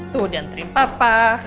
tuh udah anterin papa